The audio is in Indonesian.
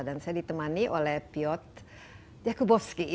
dan saya ditemani oleh fyod jakubowski